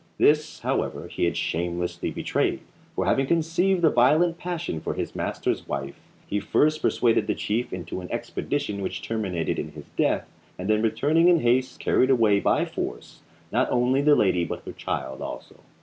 This, however, he had shamelessly betrayed; for having conceived a violent passion for his master's wife, he first persuaded the chief into an expedition which terminated in his death, and then returning in haste carried away by force not only the lady but her child also.